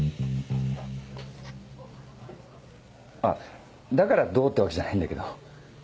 あっだからどうってわけじゃないんだけど。